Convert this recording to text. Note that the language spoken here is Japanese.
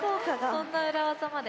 そんな裏技まで。